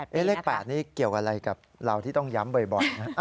๘ปีนะคะเนี่ยเกี่ยวกับอะไรกับเราที่ต้องย้ำบ่อย